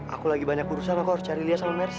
aku lagi banyak urusan aku harus cari lia sama mers